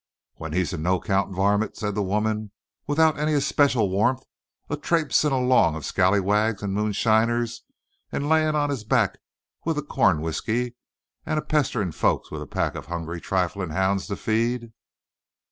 "When he's a no 'count varmint," said the woman, "without any especial warmth, a traipsin' along of scalawags and moonshiners and a layin' on his back pizen 'ith co'n whiskey, and a pesterin' folks with a pack o' hungry, triflin' houn's to feed!"